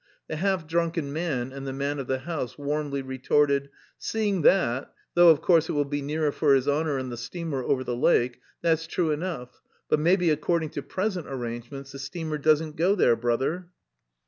The half drunken man and the man of the house warmly retorted: "Seeing that, though of course it will be nearer for his honour on the steamer over the lake; that's true enough, but maybe according to present arrangements the steamer doesn't go there, brother."